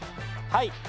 はい。